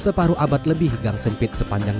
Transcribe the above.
separuh abad lebih gang sempit sepanjang